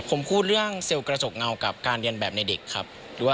ผมพูดเรื่องเซลล์กระจกเงากับการเรียนแบบในเด็กครับ